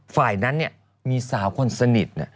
ฝ่ายนั้นมีสาวคนสนิท